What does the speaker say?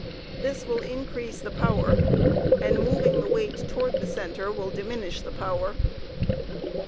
This will increase the power, and, moving the weight toward the center will diminish the power.